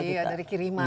iya dari kiriman